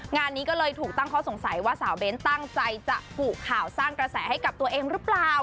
งานนี้ก็เลยถูกตั้งข้อสงสัยว่าสาวเบ้นตั้งใจจะกุข่าวสร้างกระแสให้กับตัวเองหรือเปล่า